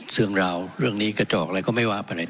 เรื่องราวเรื่องนี้กระจอกอะไรก็ไม่วาบอะไร